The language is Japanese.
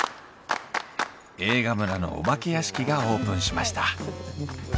映画村のお化け屋敷がオープンしました。